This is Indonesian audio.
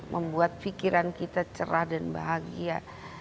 membuat pikiran kita cerah dan bahagia